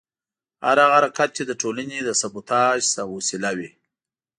هر هغه حرکت چې د ټولنې د سبوټاژ وسیله وي.